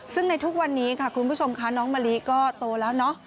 ซึ่งในทุกวันนี้ค่ะคุณผู้ชมค่ะน้องมะลิก็โตแล้วเนอะ